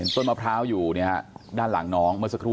ต้นมะพร้าวอยู่ด้านหลังน้องเมื่อสักครู่